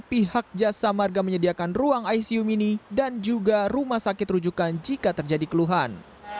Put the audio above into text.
pihak jasa marga menyediakan ruang icu mini dan juga rumah sakit rujukan jika terjadi keluhan